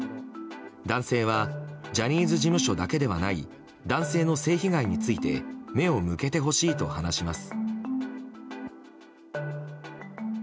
男性はジャニーズ事務所だけではない男性の性被害について目を向けてほしいと話します。